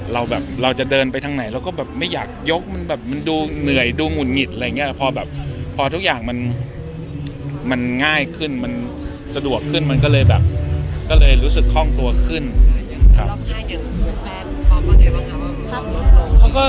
เราแบบเราจะเดินไปทางไหนเราก็แบบไม่อยากยกมันแบบมันดูเหนื่อยดูหงุดหงิดอะไรอย่างเงี้แต่พอแบบพอทุกอย่างมันง่ายขึ้นมันสะดวกขึ้นมันก็เลยแบบก็เลยรู้สึกคล่องตัวขึ้น